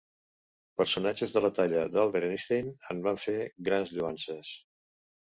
Personatges de la talla d'Albert Einstein en van fer grans lloances.